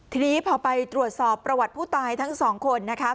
ทีนี้พอไปตรวจสอบประวัติผู้ตายทั้งสองคนนะคะ